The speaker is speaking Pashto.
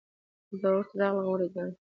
ورته راغلل غوري ګان د پولاوونو